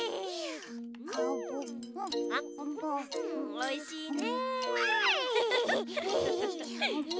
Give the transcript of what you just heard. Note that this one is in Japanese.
おいしいね！